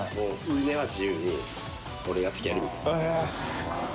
すごい。